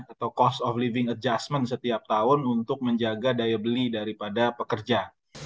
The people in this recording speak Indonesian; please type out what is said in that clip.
atau cost of living adjustment setiap tahun untuk menjaga daya beli daripada pekerja